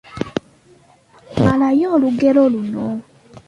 Malayo olugero luno.